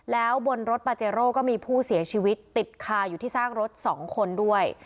แล้วบนรถปาเจโร่ก็มีผู้เสียชีวิตติดคาอยู่ที่ซากรถ๒คนด้วย